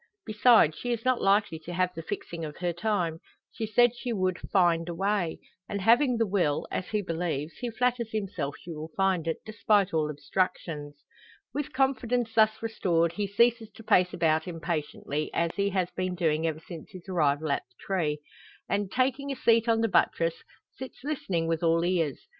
Besides, she is not likely to have the fixing of her time. She said she would "find a way;" and having the will as he believes he flatters himself she will find it, despite all obstructions. With confidence thus restored, he ceases to pace about impatiently, as he has been doing ever since his arrival at the tree; and, taking a seat on the buttress, sits listening with all ears.